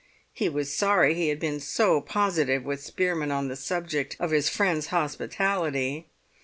He was sorry he had been so positive with Spearman on the subject of his friend's hospitality.